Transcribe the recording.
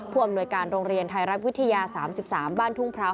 อำนวยการโรงเรียนไทยรัฐวิทยา๓๓บ้านทุ่งพร้าว